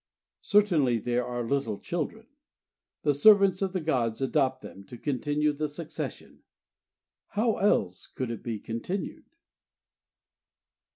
"Certainly there are little children. The Servants of the gods adopt them to continue the succession. How else could it be continued?"